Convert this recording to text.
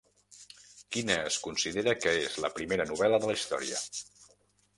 Quina es considera que és la primera novel·la de la història?